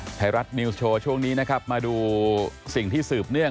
ไทยรัฐนิวส์โชว์ช่วงนี้นะครับมาดูสิ่งที่สืบเนื่อง